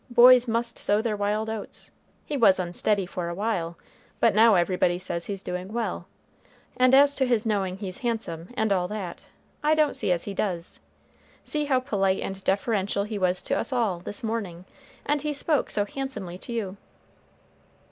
Boys must sow their wild oats. He was unsteady for a while, but now everybody says he's doing well; and as to his knowing he's handsome, and all that, I don't see as he does. See how polite and deferential he was to us all, this morning; and he spoke so handsomely to you."